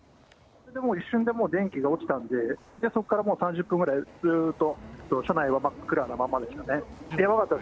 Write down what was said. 一瞬でもう、電気が落ちたんで、そこからもう３０分ぐらいずーっと車内は真っ暗なままでしたね。